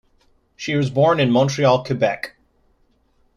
She was born in Montreal, Quebec.